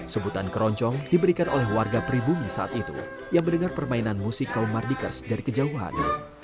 sebutan keroncong diberikan oleh warga pribumi saat itu yang mendengar permainan musik kaum mardikers dari kejauhan